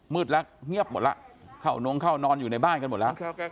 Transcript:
มืดละเงียบหมดละเขาน้องเขานอนอยู่ในบ้านกันหมดละ